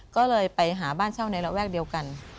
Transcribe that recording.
ก็เลยไปหาบ้านเช่าในระแวกเดียวกัน